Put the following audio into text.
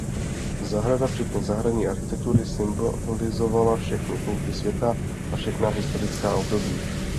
Zahrada včetně zahradní architektury symbolizovala všechny kouty světa a všechna historická období.